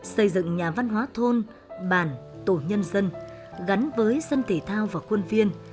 xây dựng nhà văn hóa thôn bản tổ nhân dân gắn với sân thể thao và quân viên